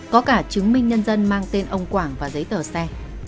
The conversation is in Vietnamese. có cả chứng minh nhân dân mang tên ông quảng và giấy tờ xe